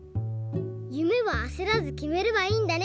ゆめはあせらずきめればいいんだね。